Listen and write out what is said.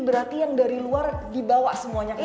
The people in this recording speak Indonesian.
berarti yang dari luar dibawa semuanya ke sana